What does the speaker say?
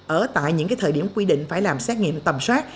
ở tại những thời điểm quy định phải làm xét nghiệm tầm soát